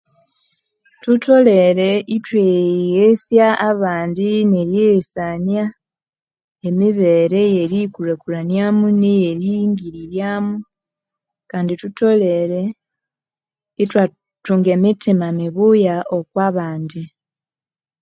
Thutholere ithweghesya abandi neryeghesania emibere eyeriyikulha-kulhania'mu neyeringirirya'mu , Kandi thutholere ithwathunga emithima mibuya okubandi